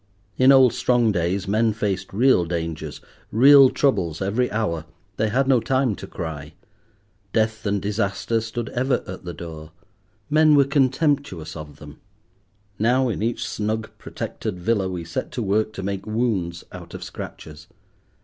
In old strong days men faced real dangers, real troubles every hour; they had no time to cry. Death and disaster stood ever at the door. Men were contemptuous of them. Now in each snug protected villa we set to work to make wounds out of scratches.